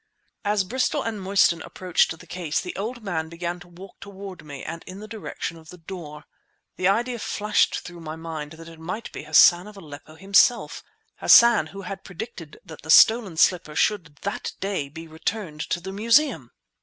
As Bristol and Mostyn approached the case the old man began to walk toward me and in the direction of the door. The idea flashed through my mind that it might be Hassan of Aleppo himself, Hassan who had predicted that the stolen slipper should that day be returned to the Museum!